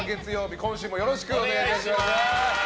今週もよろしくお願いいたします。